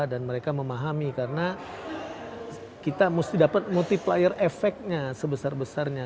dan mereka memahami karena kita mesti dapat multiplier efeknya sebesar besarnya